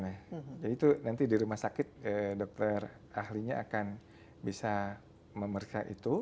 jadi itu nanti di rumah sakit dokter ahlinya akan bisa memeriksa itu